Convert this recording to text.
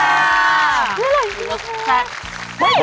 อะไรอยู่ด้วย